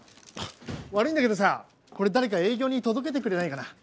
悪いんだけどさこれ誰か営業に届けてくれないかな？